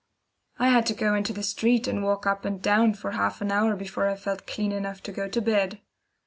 I had to go into the street and walk up and down for half an hour before I felt clean enough to go to bed.